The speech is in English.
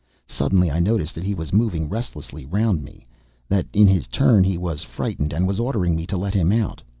Suddenly I noticed that he was moving restlessly round me, that in his turn he was frightened and was ordering me to let him out.